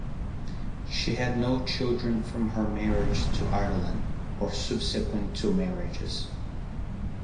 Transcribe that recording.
She had no children from her marriage to Ireland, or subsequent two marriages.